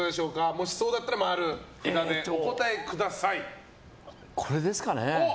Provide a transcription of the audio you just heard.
もしそうだったら○札でお答えください。